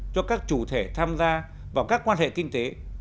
cho các chủ thể tham gia vào các quan hệ kinh tế